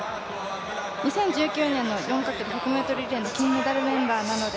２０１９年の４×１００ｍリレーの金メダルメンバーなので